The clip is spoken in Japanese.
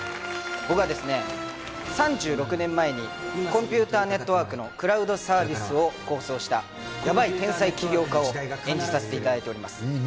僕は３６年前にコンピュータネットワークのクラウドサービスを構想したやばい天才起業家を演じさせていただいております。